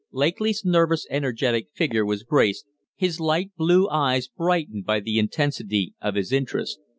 Lakely's nervous, energetic figure was braced, his light blue eyes brightened, by the intensity of his interest.